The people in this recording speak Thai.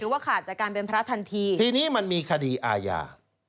ว่าขาดจากการเป็นพระทันทีทีนี้มันมีคดีอาญา